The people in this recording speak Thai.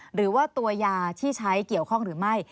หรือว่าตัวยาที่ใช้เกี่ยวข้องหรือไม่